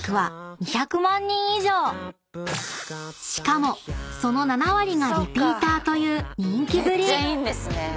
［しかもその７割がリピーターという人気ぶり］